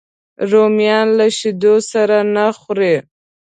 رومیان له شیدو سره نه خوري